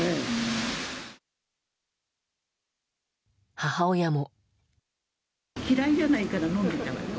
母親も。